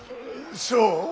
そう？